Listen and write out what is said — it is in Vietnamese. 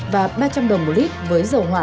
và ba trăm linh đồng một lít với dầu hỏa